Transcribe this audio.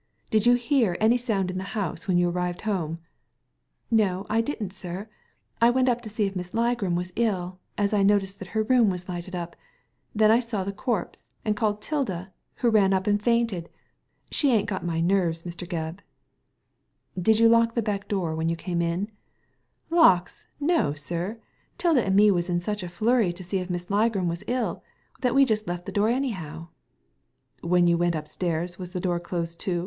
Did you hear any sound in the house when you arrived home ?"" No, I didn't, sir. I went up to see if Miss Ligram was ill, as I noticed that her room was lighted up, then I saw the corpse, and called 'Tilda, who ran up and fainted. She ain't got my nerves, Mr. Gebb." " Did you lock the back door when you came in ?"Lawks, no, sir t 'Tilda and me was in such a flurry to see if Miss Ligram was ill that we just left the door anyhow. When you went upstairs was the door closed to?"